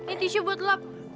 ini tisu buat lap